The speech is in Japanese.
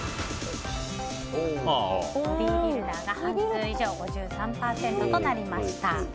ボディービルダーが半数以上５３％となりました。